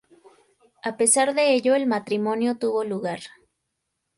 A pesar de ello el matrimonio tuvo lugar.